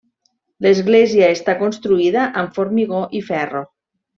L'església està construïda amb formigó i ferro.